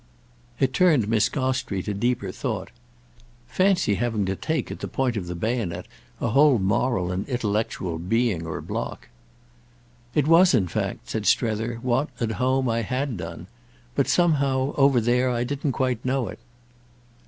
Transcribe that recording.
It turned Miss Gostrey to deeper thought. "Fancy having to take at the point of the bayonet a whole moral and intellectual being or block!" "It was in fact," said Strether, "what, at home, I had done. But somehow over there I didn't quite know it."